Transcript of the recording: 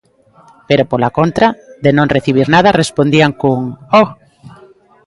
Pero, pola contra, de non recibir nada, respondían cun: Oh!